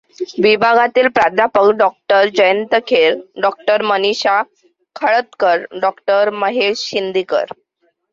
विभागातील प्राध्यापक डॉ. जयंत खेर, डॉ. मनिषा खळदकर, डॉ. महेश शिंदीकर.